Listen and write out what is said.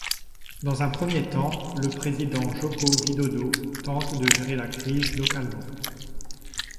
Dans un premier temps, le président Joko Widodo tente de gérer la crise localement.